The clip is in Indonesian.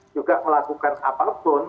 juga melakukan apapun